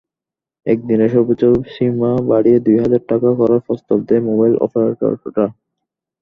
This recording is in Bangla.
একদিনে সর্বোচ্চ সীমা বাড়িয়ে দুই হাজার টাকা করার প্রস্তাবও দেয় মোবাইল অপারেটররা।